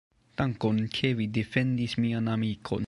Dankon, ke vi defendis mian amikon.